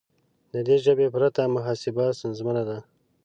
د دې ژبې پرته محاسبه ستونزمنه ده.